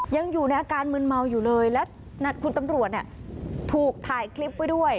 ยังอยู่ในอาการมืนเมาอยู่เลยและคุณตำรวจเนี่ยถูกถ่ายคลิปไว้ด้วย